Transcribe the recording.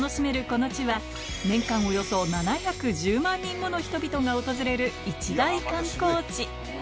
この地は年間およそ７１０万人もの人々が訪れる一大観光地